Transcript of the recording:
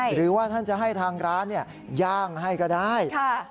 หรือว่าท่านจะให้ทางร้านย่างให้ก็ได้